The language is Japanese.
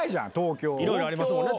いろいろありますもんね